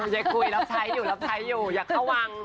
ยังคุยรับใช้อยู่อย่าเข้าวัง